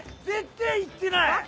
絶対言ってない！